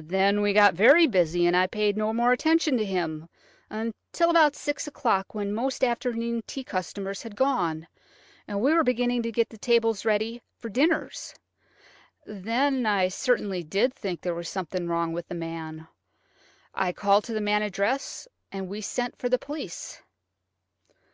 Then we got very busy, and I paid no more attention to him, until about six o'clock, when most afternoon tea customers had gone, and we were beginning to get the tables ready for dinners. Then I certainly did think there was something wrong with the man. I called to the manageress, and we sent for the police."